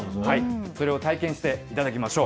それを体験していただきましょう。